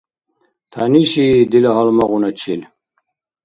Тянишии дила гьалмагъуначил.